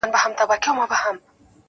ما ویلي وه چي ته نه سړی کيږې,